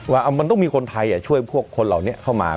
ว่ามันต้องมีคนไทยช่วยพวกคนเหล่านี้เข้ามา